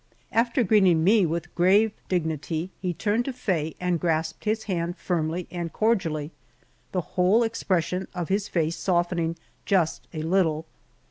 After greeting me with grave dignity, he turned to Faye and grasped his hand firmly and cordially, the whole expression of his face softening just a little.